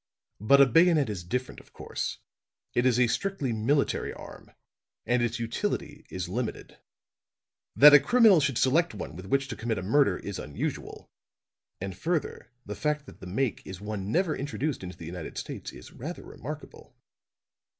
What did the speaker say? But a bayonet is different, of course; it is a strictly military arm, and its utility is limited. That a criminal should select one with which to commit a murder is unusual; and, further; the fact that the make is one never introduced into the United States is rather remarkable."